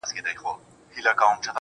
• ما ويل څه به مي احوال واخلي.